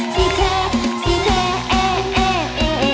สิเปสิเปเอเอเอ